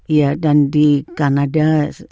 ya dan di kanada